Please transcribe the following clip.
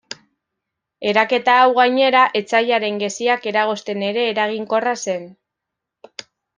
Eraketa hau, gainera, etsaiaren geziak eragozten ere eraginkorra zen.